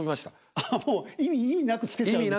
ああもう意味なくつけちゃうみたいな。